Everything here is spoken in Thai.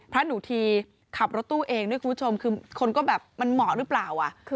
พระหนูทีขับรถตู้เองด้วยคุณผู้ชมคือคนก็แบบมันเหมาะหรือเปล่า